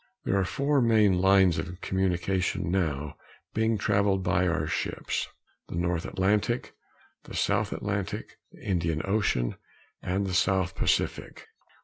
There are four main lines of communication now being travelled by our ships: the North Atlantic, the South Atlantic, the Indian Ocean and the South Pacific.